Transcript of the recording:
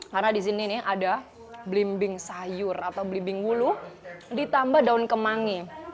karena disini ada blimbing sayur atau blimbing wulu ditambah daun kemangi